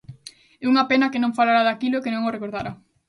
É unha pena que non falara daquilo e que non o recordara.